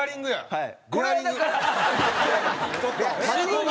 はい。